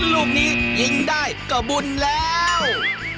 ลูกนี้ยิงได้ก็บุญแล้ว